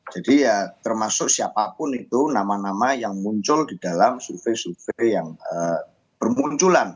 ya termasuk siapapun itu nama nama yang muncul di dalam survei survei yang bermunculan